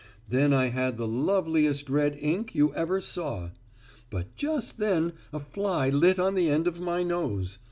Then I had the loveliest red ink you ever saw. But just then a fly lit on the end of my nose.